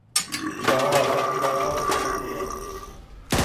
د حل اساسي لاره داده چې مخ ته ولاړ شو